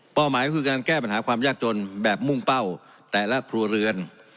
หมายคือการแก้ปัญหาความยากจนแบบมุ่งเป้าแต่ละครัวเรือน